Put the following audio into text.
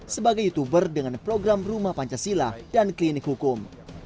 sebagai youtuber dengan program rumah pancasila dan klinik hukum